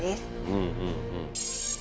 うんうんうん。